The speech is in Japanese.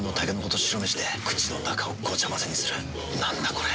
これ。